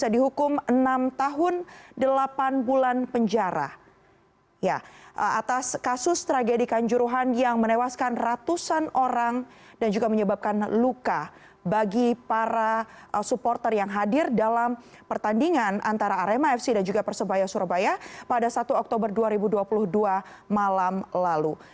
dan juga yang menyebabkan luka bagi para supporter yang hadir dalam pertandingan antara rmafc dan juga persebaya surabaya pada satu oktober dua ribu dua puluh dua malam lalu